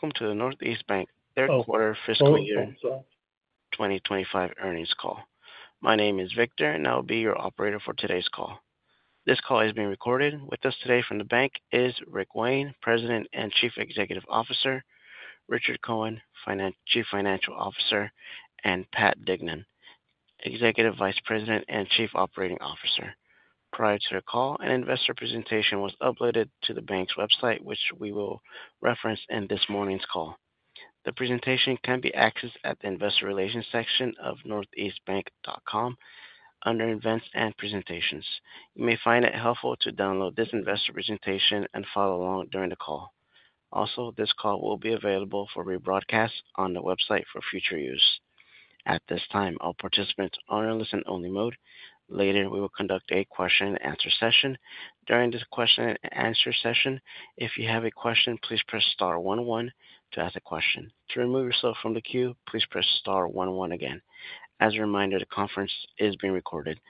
Welcome to the Northeast Bank Third Quarter Fiscal Year 2025 Earnings Call. My name is Victor and I will be your operator for today's call. This call is being recorded. With us today from the bank is Rick Wayne, President and Chief Executive Officer, Richard Cohen, Chief Financial Officer, and Pat Dignan, Executive Vice President and Chief Operating Officer. Prior to the call, an investor presentation was uploaded to the bank's website which we will reference in this morning's call. The presentation can be accessed at the Investor Relations section of northeastbank.com under Events and Presentations. You may find it helpful to download this investor presentation and follow along during the call. Also, this call will be available for rebroadcast on the website for future use. At this time, all participants are in listen only mode. Later we will conduct a question and answer session. During this question and answer session, if you have a question, please press star, one, one to ask a question. To remove yourself from the queue, please press star, one, one again. As a reminder, the conference is being recorded.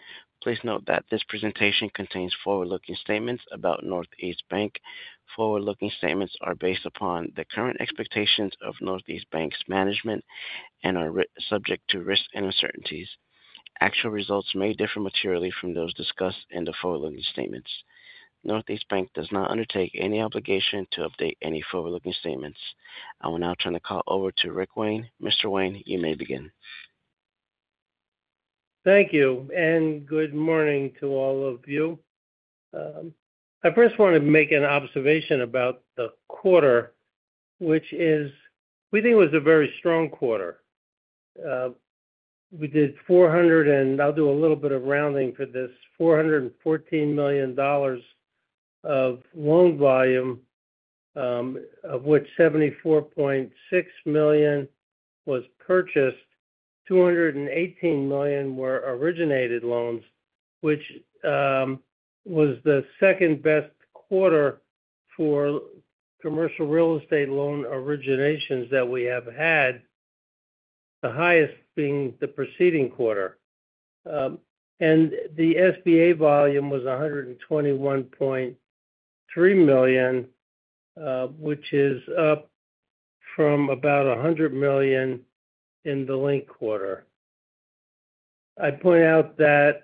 Please note that this presentation contains forward looking statements about Northeast Bank. Forward looking statements are based upon the current expectations of Northeast Bank's management and are subject to risks and uncertainties. Actual results may differ materially from those discussed in the forward looking statements. Northeast Bank does not undertake any obligation to update any forward looking statements. I will now turn the call over to Rick Wayne. Mr. Wayne, you may begin. Thank you and good morning to all of you. I first want to make an observation about the quarter which is we think it was a very strong quarter. We did 400, and I'll do a little bit of rounding for this, $414 million of loan volume, of which $74.6 million was purchased, $218 million were originated loans, which was the second best quarter for commercial real estate loan originations that we have had, the highest being the preceding quarter. The SBA volume was $121.3 million, which is up from about $100 million in the linked quarter. I point out that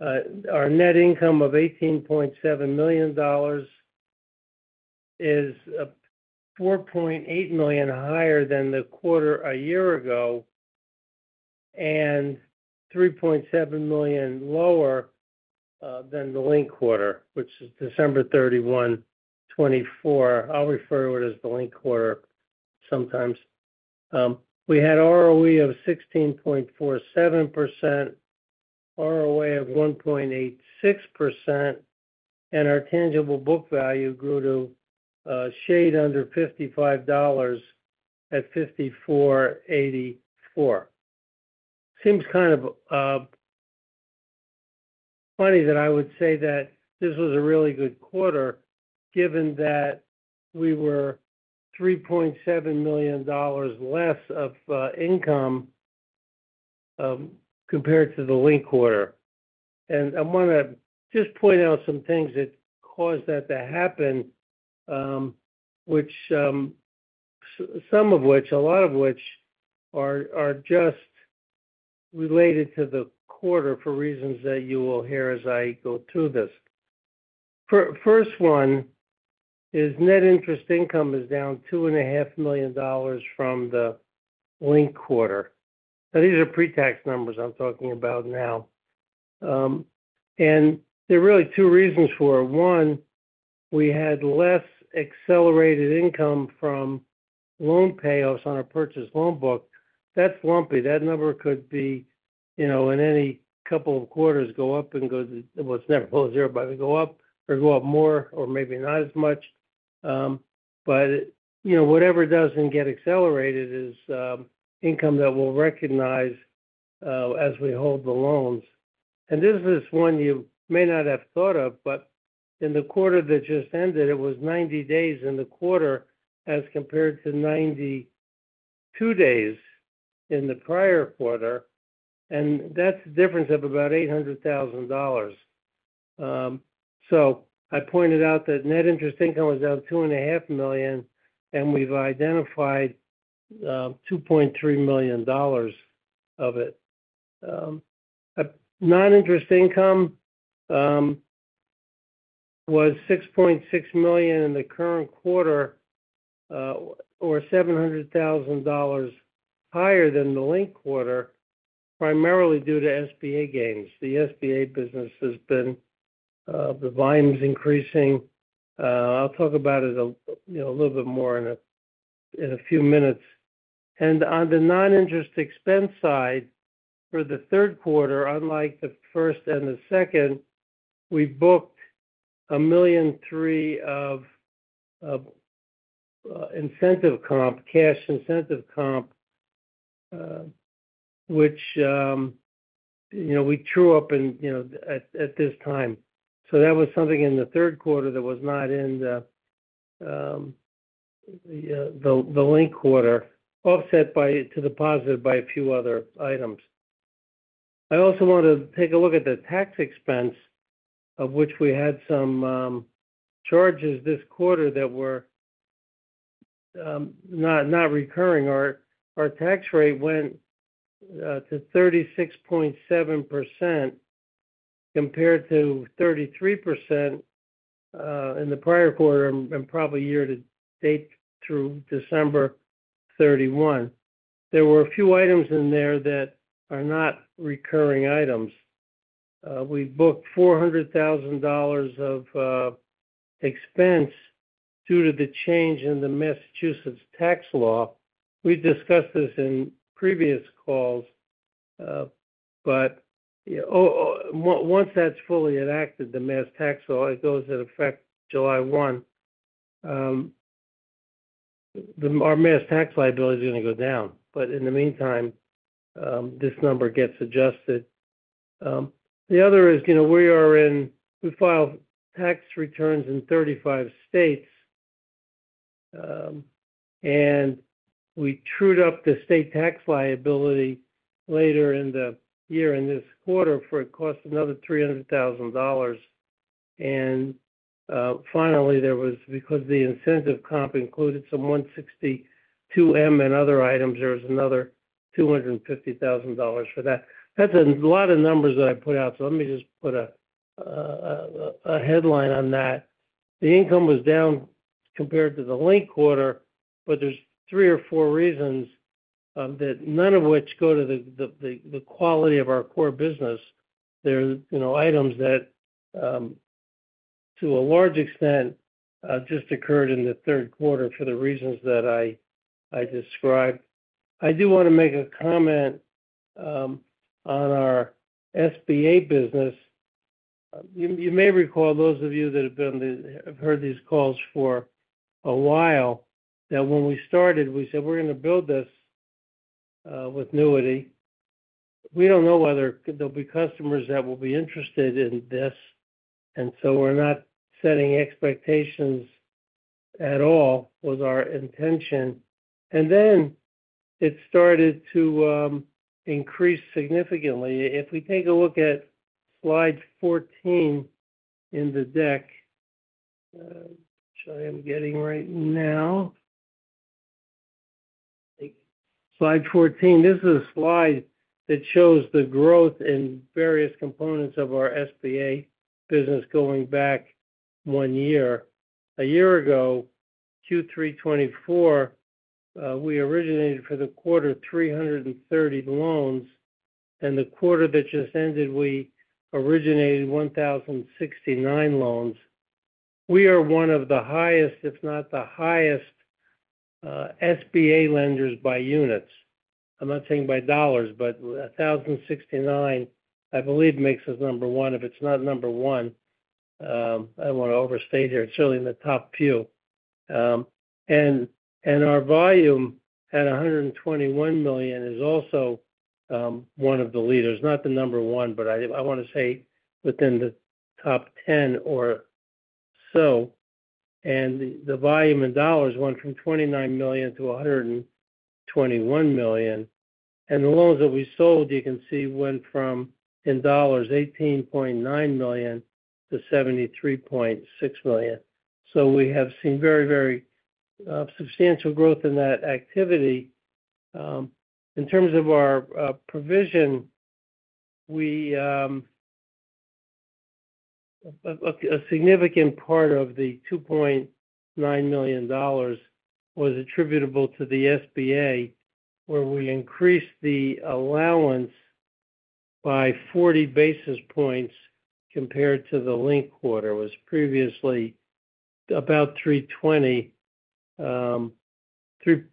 our net income of $18.7 million is $4.8 million higher than the quarter a year ago and $3.7 million lower than the linked quarter, which is December 31, 2024. I'll refer to it as the linked quarter. Sometimes we had ROE of 16.47%, ROA of 1.86% and our tangible book value grew to a shade under $55 at $54.84. Seems kind of funny that I would say that this was a really good quarter given that we were $3.7 million less of income compared to the linked quarter. I want to just point out some things that caused that to happen, which some of which, a lot of which are just related to the quarter for reasons that you will hear as I go through this. First one is net interest income is down $2.5 million from the linked quarter. Now these are pre-tax numbers I'm talking about now and there are really two reasons for it. One, we had less accelerated income from loan payoffs on a purchased loan book that's lumpy. That number could be, you know, in any couple of quarters go up and go. It's never zero but it could go up or go up more or maybe not as much. You know, whatever doesn't get accelerated is income that will recognize as we hold the loans. This is one you may not have thought of but in the quarter that just ended, it was 90 days in the quarter as compared to 92 days in the prior quarter. That's a difference of about $800,000. I pointed out that net interest income was down $2.5 million and we've identified $2.3 million of it. Non interest income was $6.6 million in the current quarter or $700,000 higher than the linked quarter primarily due to SBA gains. The SBA business has been the volumes increasing. I'll talk about it a little bit more in a few minutes. On the non-interest expense side, for the third quarter, unlike the first and the second, we booked $1.3 million of incentive comp, cash incentive comp, which you know, we true up at this time. That was something in the third quarter that was not in the. Linked quarter offset by to deposit by a few other items. I also want to take a look at the tax expense of which we had some charges this quarter that were not recurring. Our tax rate went to 36.7% compared to 33% in the prior quarter and probably year to date through December 31. There were a few items in there that are not recurring items. We booked $400,000 of expense due to the change in the Massachusetts tax law. We discussed this in previous calls but once that's fully enacted, the Massachusetts tax law, it goes in effect July 1. Our Massachusetts tax liability is going to go down. In the meantime this number gets adjusted. The other is, you know, we are in, we filed tax returns in 35 states and we trued up the state tax liability later in the year in this quarter for it cost another $300,000. Finally, there was because the incentive comp included some 162M and other items. There was another $250,000 for that. That's a lot of numbers that I put out. Let me just put a headline on that. The income was down compared to the linked quarter. There are three or four reasons that none of which go to the quality of our core business. They're items that to a large extent just occurred in the third quarter for the reasons that I described. I do want to make a comment on our SBA business. You may recall those of you that have been have heard these calls for a while that when we started, we said, we're going to build this with Newity. We don't know whether there'll be customers that will be interested in this. We are not setting expectations at all was our intention. It started to increase significantly. If we take a look at slide 14 in the deck, which I am getting right now, slide 14, this is a slide that shows the growth in various components of our SBA business going back one year, a year ago, Q3 2024, we originated for the quarter 330 loans. The quarter that just ended, we originated 1,069 loans. We are one of the highest, if not the highest, SBA lenders by units. I'm not saying by dollars, but 1,069, I believe, makes us number one. If it's not number one, I don't want to overstate here. It's certainly in the top few. Our volume at $121 million is also one of the leaders, not the number one, but I want to say within the top 10 or so. The volume in dollars went from $29 million to $121 million. The loans that we sold, you can see, went from in dollars $18.9 million to $73.6 million. We have seen very, very substantial growth in that activity. In terms of our provision, a significant part of the $2.9 million was attributable to the SBA, where we increased the allowance by 40 basis points compared to the link quarter. It was previously about 320 basis points, 3.2%.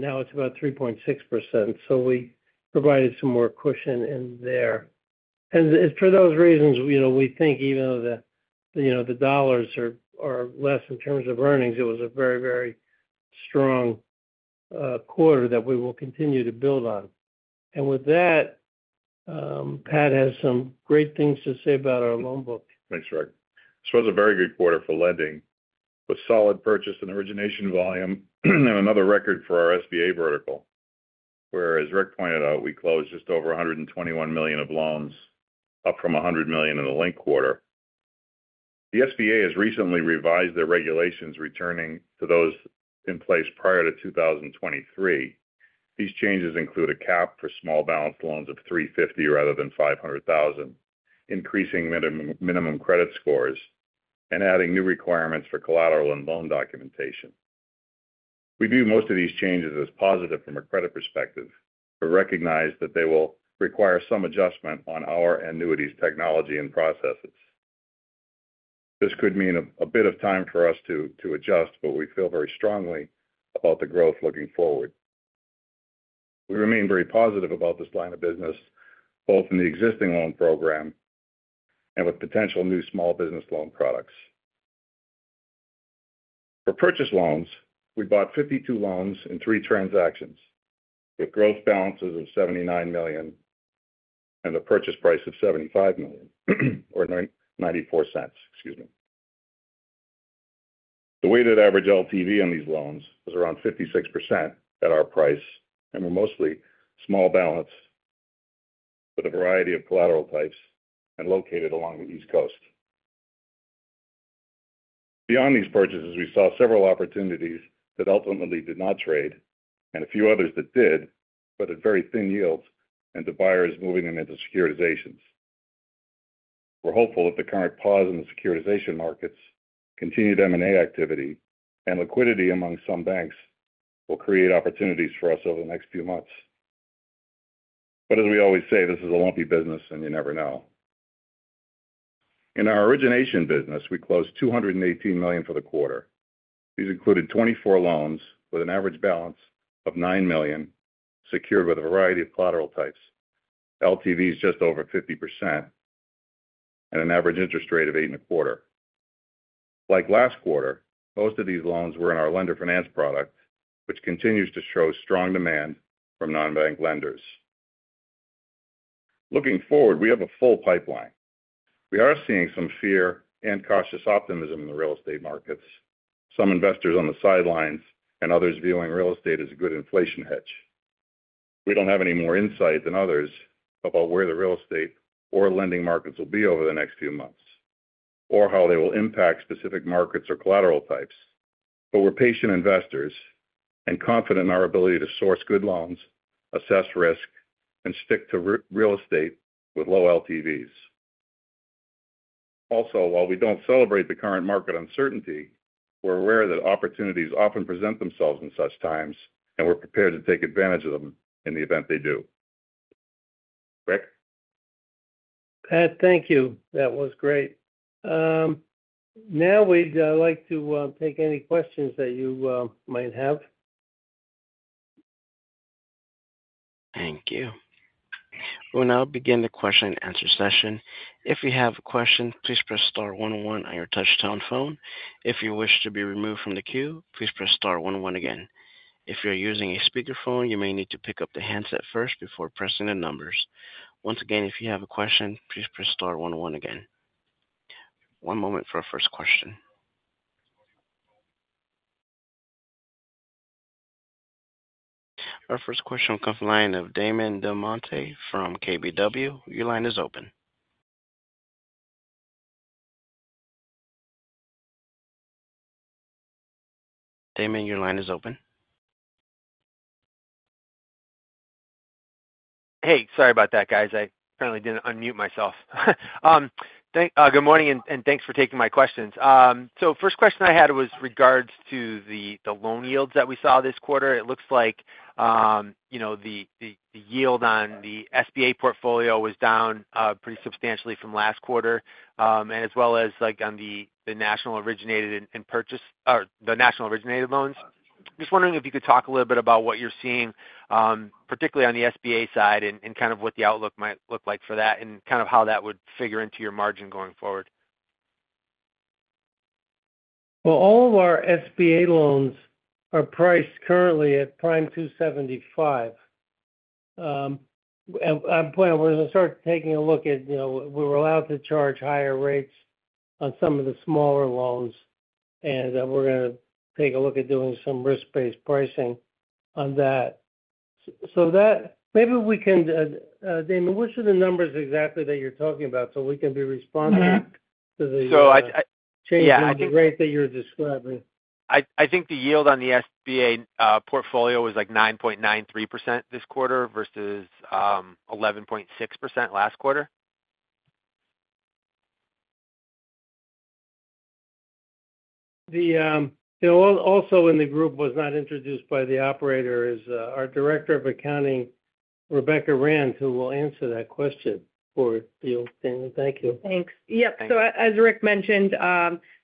Now it's about 3.6%. We provided some more cushion in there. For those reasons, you know, we think even though the dollars are less in terms of earnings, it was a very, very strong quarter that we will continue to build on. With that, Pat has some great things to say about our loan book. Thanks, Rick. This was a very good quarter for lending with solid purchase and origination volume. Another record for our SBA vertical where, as Rick pointed out, we closed just over $121 million of loans, up from $100 million in the linked quarter. The SBA has recently revised their regulations, returning those in place prior to 2023. These changes include a cap for small balance loans of $350,000 rather than $500,000, increasing minimum credit scores and adding new requirements for collateral and loan documentation. We view most of these changes as positive from a credit perspective, but recognize that they will require some adjustment on our Newity, technology and processes. This could mean a bit of time for us to adjust, but we feel very strongly about the growth looking forward. We remain very positive about this line of business, both in the existing loan program and with potential new small business loan products for purchase loans. We bought 52 loans in three transactions with gross balances of $79 million and the purchase price of $75 million or $0.94. Excuse me. The weighted average LTV on these loans was around 56% at our price and were mostly small balance with a variety of collateral types and located along the East Coast. Beyond these purchases we saw several opportunities that ultimately did not trade and a few others that did, but at very thin yields and the buyers moving them into securitizations. We're hopeful that the current pause in the securitization markets, continued M and A activity and liquidity among some banks will create opportunities for us over the next few months. As we always say, this is a lumpy business and you never know in our origination business. We closed $218 million for the quarter. These included 24 loans with an average balance of $9 million secured with a variety of collateral types. LTV is just over 50% and an average interest rate of 8.25%. Like last quarter, most of these loans were in our lender finance product which continues to show strong demand from non-bank lenders. Looking forward, we have a full pipeline. We are seeing some fear and cautious optimism in the real estate markets, some investors on the sidelines and others viewing real estate as a good inflation hedge. We do not have any more insight than others about where the real estate or lending markets will be over the next few months or how they will impact specific markets or collateral types. We are patient investors and confident in our ability to source good loans, assess risk and stick to real estate with low LTVs. Also, while we do not celebrate the current market uncertainty, we are aware that opportunities often present themselves in such times and we are prepared to take advantage of them in the event they do. Rick, Pat, thank you. That was great. Now we'd like to take any questions that you might have. Thank you. We will now begin the question and answer session. If you have a question, please press star, one, one on your touchtone phone. If you wish to be removed from the queue, please press star, one, one again. If you're using a speakerphone, you may need to pick up the handset first before pressing the numbers. Once again, if you have a question, please press star, one, one. One moment for a first question. Our first question comes in line of Damon Del Monte from KBW. Your line is open. Damon, your line is open. Hey, sorry about that guys. I apparently didn't unmute myself. Good morning and thanks for taking my questions. First question I had was regards to the loan yields that we saw this quarter. It looks like the yield on the SBA portfolio was down pretty substantially from last quarter as well as on the national originated and purchased the national originated loans. Just wondering if you could talk a little bit about what you're seeing particularly on the SBA side and kind of what the outlook might look like for that and kind of how that would figure into your margin going forward. All of our SBA loans are priced currently at prime 2.75 point. We're going to start taking a look at, you know, we're allowed to charge higher rates on some of the smaller loans and we're going to take a look at doing some risk based pricing on that so that maybe we can. Damon, which are the numbers exactly that you're talking about so we can be responsive that you're describing. I think the yield on the SBA portfolio was like 9.93% this quarter versus 11.6% last quarter. Also in the group was not introduced by the operator is our Director of Accounting Rebecca Rand who will answer that question or. Thank you. Thanks. Yep. As Rick mentioned,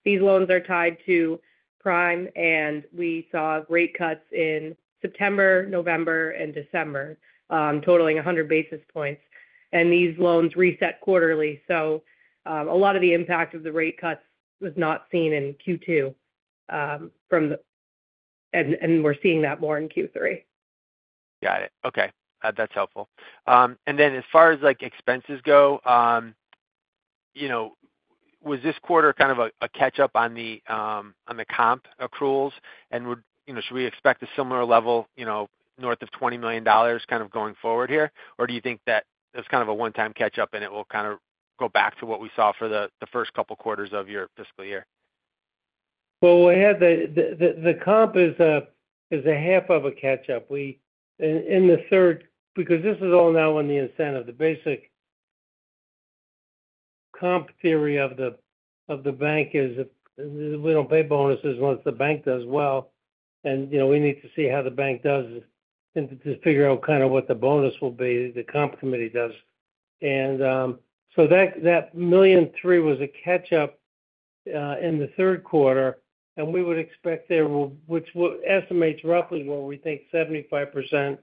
these loans are tied to prime and we saw rate cuts in September, November and December totaling 100 basis points. These loans reset quarterly. A lot of the impact of the rate cuts was not seen in Q2. We are seeing that more in Q3. Got it. Okay, that's helpful. As far as like expenses go, you know, was this quarter kind of a catch up on the comp accruals and should we expect a similar level north of $20 million kind of going forward here or do you think that it's kind of a one time catch up and it will kind of go back to what we saw for the first couple quarters of your fiscal. The comp is half of a catch up we in the third because this is all now on the incentive. The basic comp theory of the bank is we do not pay bonuses once the bank does well and you know we need to see how the bank does and to figure out kind of what the bonus will be. The comp committee does. That $1.3 million was a catch up in the third quarter and we would expect there will which estimates roughly what we think 75%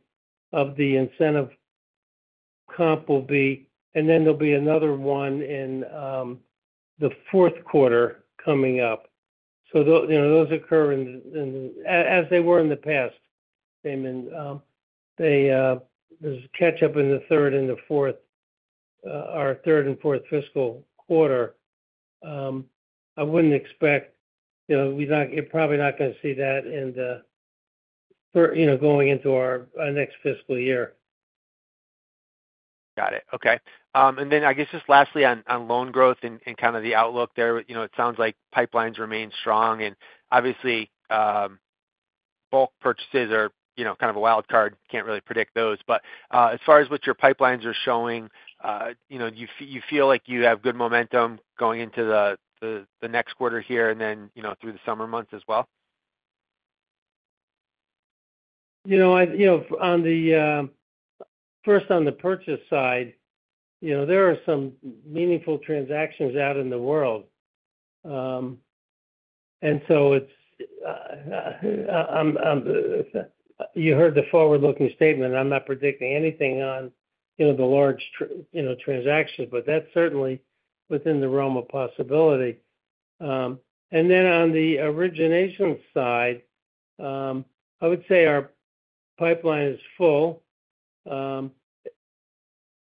of the incentive comp will be. There will be another one in the fourth quarter coming up. Those occur as they were in the past. Damon, there is catch up in the third and the fourth, our third and fourth fiscal quarter. I wouldn't expect you're probably not going to see that going into our next fiscal year. Got it. Okay. I guess just lastly on loan growth and kind of the outlook there, it sounds like pipelines remain strong and obviously bulk purchases are kind of a wild card. Cannot really predict those. As far as what your pipelines are showing, you feel like you have good momentum going into the next quarter here and then through the summer months as well. You know, first on the purchase side there are some meaningful transactions out in the world. It is, you heard the forward looking statement. I'm not predicting anything on the large transactions but that's certainly within the realm of possibility. On the origination side I would say our pipeline is full.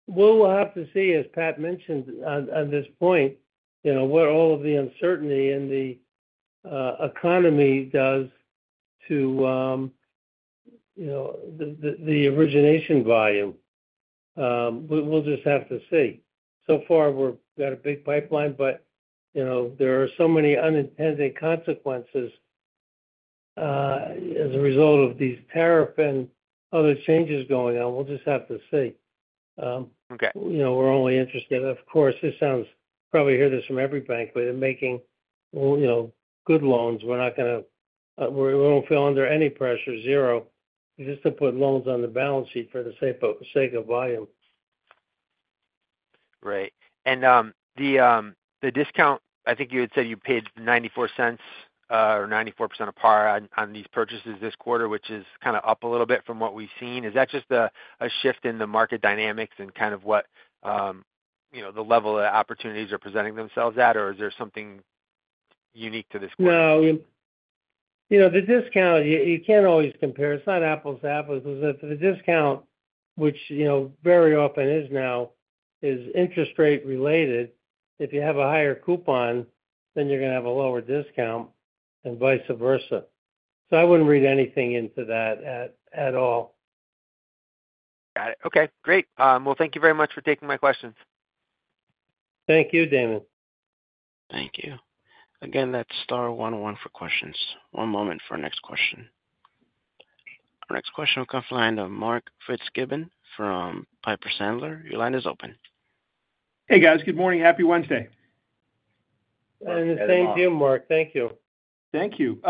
We'll have to see as Pat mentioned on this point what all of the uncertainty in the economy does to the origination volume. We'll just have to see. So far we've got a big pipeline but there are so many unintended consequences as a result of these tariff and other changes going on. We'll just have to see. We're only interested, of course this sounds, you probably hear this from every bank, where they're making good loans. We're not going to feel under any pressure just to put loans on the balance sheet for the sake of volume. Right. The discount, I think you had said you paid $0.94 or 94% of par on these purchases this quarter, which is kind of up a little bit from what we've seen. Is that just a shift in the market dynamics and kind of what the level of opportunities are presenting themselves at, or is there something unique to this? No, you know the discount, you can't always compare. It's not apples to apples. The discount, which, you know, very often is now is interest rate related. If you have a higher coupon, then you're going to have a lower discount and vice versa. I wouldn't read anything into that at all. Got it. Okay, great. Thank you very much for taking my questions. Thank you, Damon. Thank you again. That's star, one, one for questions. One moment for our next question. Our next question will come to Mark Fitzgibbon from Piper Sandler. Your line is open. Hey, guys, good morning. Happy Wednesday. The same to you, Mark. Thank you. Thank you.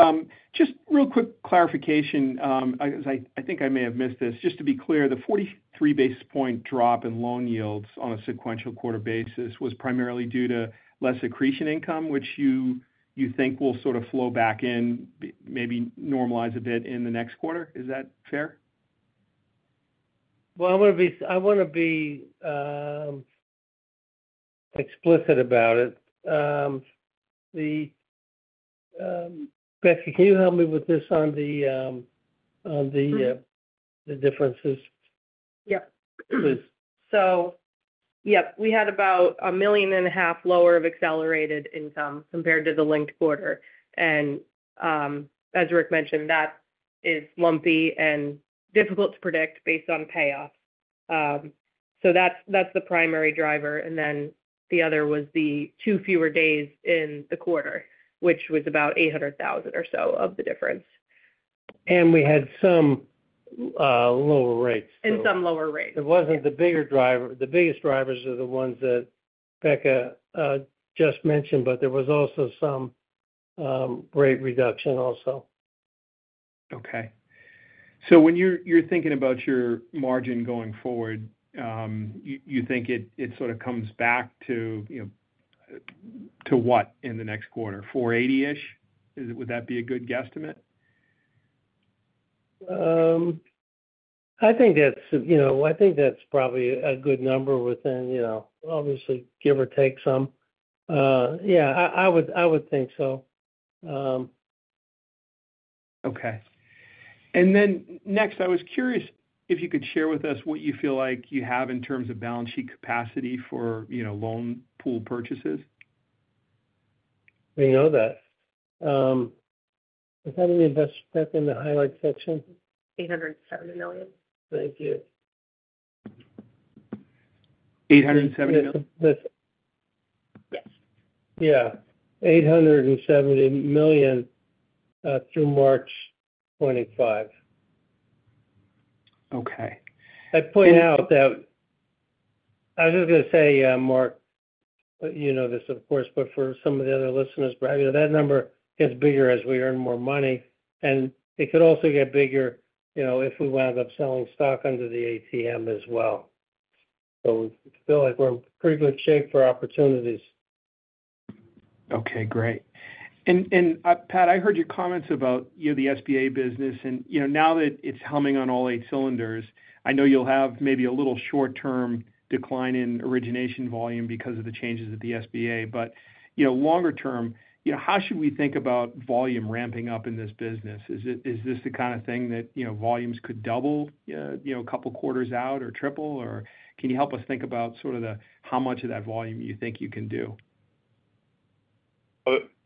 Just real quick clarification. I think I may have missed this. Just to be clear, the 43 basis point drop in loan yields on a sequential quarter basis was primarily due to less accretion income, which you think will sort of flow back in, maybe normalize a bit in the next quarter. Is that fair? I want to be explicit about it. Becky, can you help me with this on the differences? Yep. Please. Yep, we had about $1.5 million lower of accelerated income compared to the linked quarter. As Rick mentioned, that is lumpy and difficult to predict based on payoffs. That is the primary driver. The other was the two fewer days in the quarter, which was about $800,000 or so of the difference. We had some lower rates and some lower rates. It wasn't the bigger driver. The biggest drivers are the ones that Becca just mentioned. There was also some rate reduction also. Okay, so when you're thinking about your margin going forward, you think it sort of comes back to what, in the next quarter, 480ish. Would that be a good guesstimate? I think that's, you know, I think that's probably a good number within, you know, obviously, give or take some. Yeah, I would. I would think so. Okay. Next, I was curious if you could share with us what you feel like you have in terms of balance sheet capacity for, you know, loan pool purchases. We know that. Is that any investor check in the highlight section? 870 million. Thank you. $870 million. Yes. Yeah. $870 million through March 25th. Okay. I point out that. I was just going to say, Mark, you know this, of course, but for some of the other listeners, Brad, that number gets bigger as we earn more money. It could also get bigger, you know, if we wound up selling stock under the ATM as well. Feel like we're in pretty good shape for opportunities. Okay, great. Pat, I heard your comments about the SBA business and, you know, now that it's humming on all eight cylinders, I know you'll have maybe a little short term decline in origination volume because of the changes at the SBA. Longer term, how should we think about volume ramping up in this business? Is this the kind of thing that volumes could double a couple quarters out or triple? Can you help us think about how much of that volume you think you can do?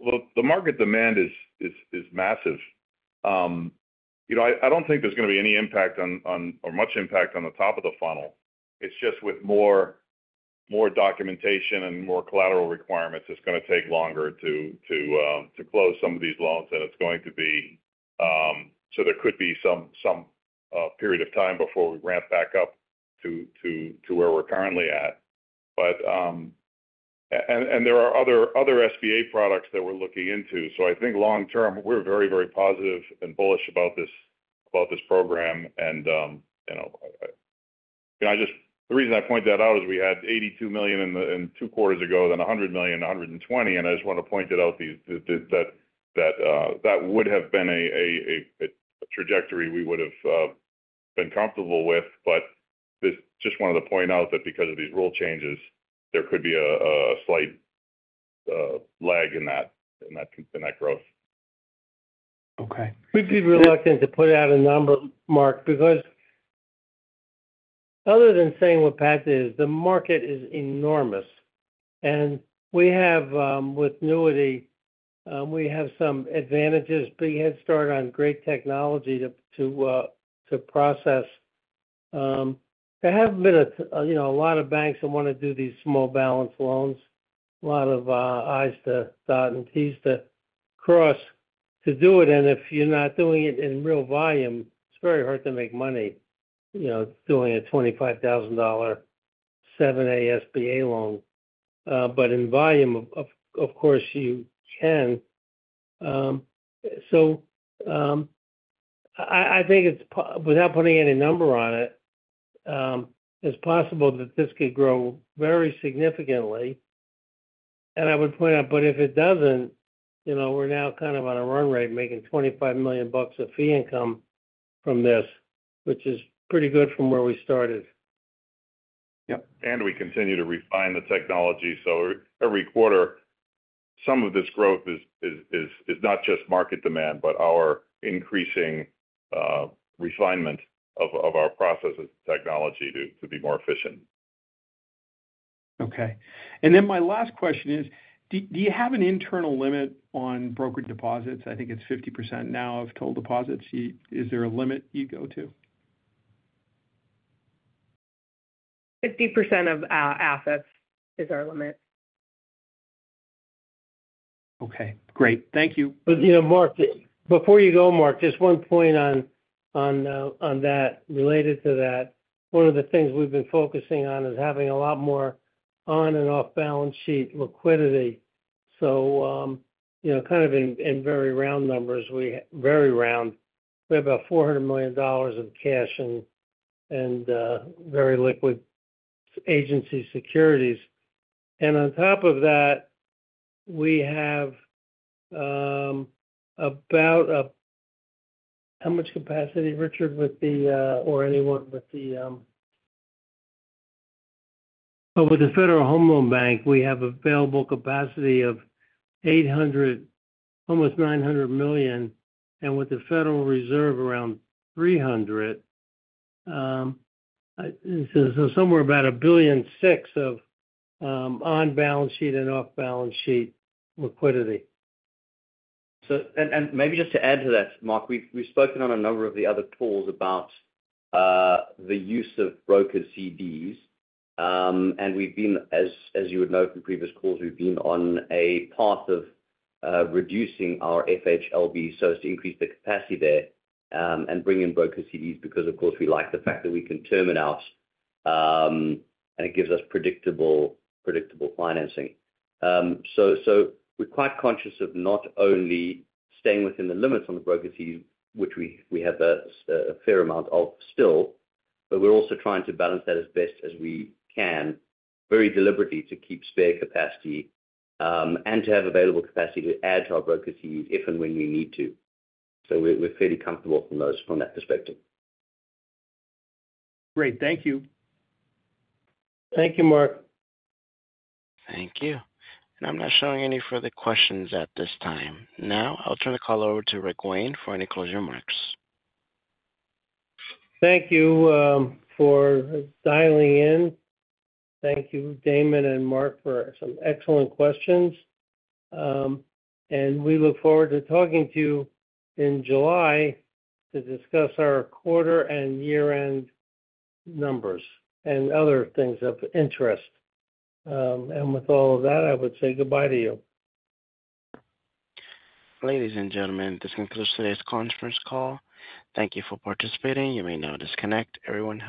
The market demand is massive. I don't think there's going to be any impact or much impact on the. Top of the funnel. It's just with more documentation and more collateral requirements, it's going to take longer to close some of these loans and it's going to be. There could be some period of time before we ramp back up to where we're currently at. There are other SBA products that we're looking into. I think long term we're very, very positive and bullish about this, about this program. You know, I just, the reason I point that out is we had $82 million in two quarters ago, then $100 million, $120 million. I just want to point it out that that would have been a trajectory we would have been comfortable with, but just wanted to point out that because of these rule changes, there could be a slight lag in that growth. Okay. We'd be reluctant to put out a number, Mark, because other than saying what Pat is, the market is enormous and we have, with Newity, we have some advantages. Big head start on great technology to process. There have been, you know, a lot of banks that want to do these small balance loans, a lot of I's to dot and T's to cross to do it. If you're not doing it in real volume, it's very hard to make money, you know, doing a $25,000 7(a) SBA loan. In volume, of course you can. I think it's, without putting any number on it, possible that this could grow very significantly. I would point out, if it does not, you know, we are now kind of on a run rate making $25 million of fee income from this, which is pretty good from where we started. Yep. We continue to refine the technology. Every quarter, some of this growth is not just market demand, but our increasing refinement of our processes and technology to be more efficient. Okay, and then my last question is, do you have an internal limit on broker deposits? I think it's 50% now of total deposits. Is there a limit you go to? 50% of assets is our limit. Okay, great. Thank you. You know, Mark, before you go, Mark, just one point on that related to that. One of the things we've been focusing on is having a lot more on and off balance sheet liquidity. You know, kind of in very round numbers. We have about $400 million of cash and very liquid agency securities. On top of that we have about how much capacity, Richard, with the, or anyone with the, with the Federal Home Loan Bank, we have available capacity of $800 million, almost $900 million. With the Federal Reserve around $300 million, somewhere about $1.6 billion of on balance sheet and off balance sheet liquidity. Maybe just to add to that. Mark, we've spoken on a number of the other calls about the use of broker CDs and we've been, as you would know from previous calls, we've been on a path of reducing our FHLB so as to increase the capacity there and bring in broker CDs because of course we like the fact that we can terminate out and it gives us predictable financing. We are quite conscious of not only staying within the limits on the broker CDs, which we have a fair amount of still, but we are also trying to balance that as best as we can very deliberately to keep spare capacity and to have available capacity to add to our broker CDs if and when we need to. We are fairly comfortable from that perspective. Great. Thank you. Thank you, Mark. Thank you. I'm not showing any further questions at this time. Now I'll turn the call over to Rick Wayne for any closing remarks. Thank you for dialing in. Thank you Damon and Mark for some excellent questions. We look forward to talking to you in July to discuss our quarter and year end numbers and other things of interest. With all of that, I would say goodbye to you. Ladies and gentlemen, this concludes today's conference call. Thank you for participating. You may now disconnect. Everyone have.